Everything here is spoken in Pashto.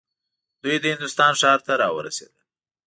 دوی د هندوستان ښار ته راورسېدل.